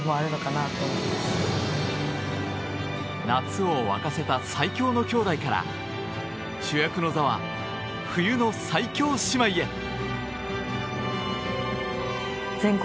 夏を沸かせた最強の兄妹から主役の座は、冬の最強姉妹へ。